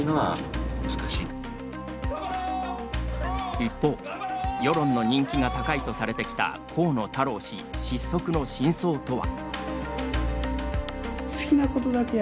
一方世論の人気が高いとされてきた河野太郎氏、失速の真相とは。